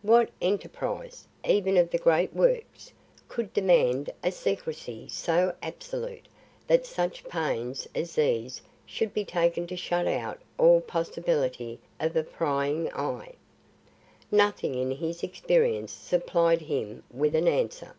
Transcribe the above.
What enterprise, even of the great Works, could demand a secrecy so absolute that such pains as these should be taken to shut out all possibility of a prying eye. Nothing in his experience supplied him with an answer.